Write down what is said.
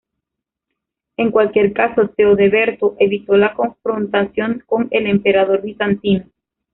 En cualquier caso Teodeberto evitó la confrontación con el Emperador Bizantino.